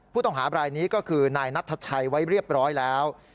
ผู้ต้องหาบรายนี้ก็คือนายนัทชัยไว้เรียบร้อยแล้ว